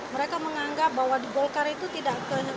mereka menganggap bahwa golkar itu tidak kena